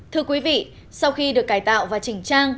thưa quý vị sau khi được cải tạo và chỉnh trang